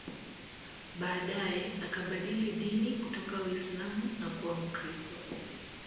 Baadae akabadili dini kutoka Uislam na kuwa Mkristo